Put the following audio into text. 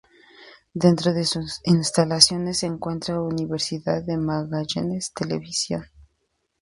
Dentro de sus instalaciones se encuentra Universidad de Magallanes Televisión.